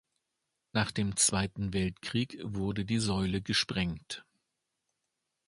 Nach dem Zweiten Weltkrieg wurde die Säule gesprengt.